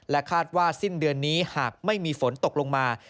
คาดว่าสิ้นเดือนนี้หากไม่มีฝนตกลงมา